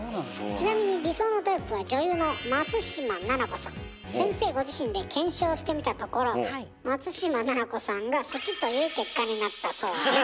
ちなみに理想のタイプは女優の先生ご自身で検証してみたところ松嶋菜々子さんが好きという結果になったそうです。